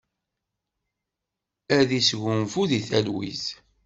Ad isgunfu di talwit.